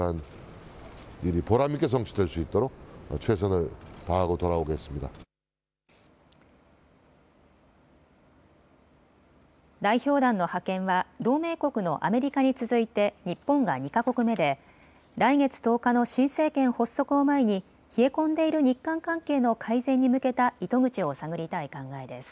代表団の派遣は同盟国のアメリカに続いて日本が２か国目で来月１０日の新政権発足を前に冷え込んでいる日韓関係の改善に向けた糸口を探りたい考えです。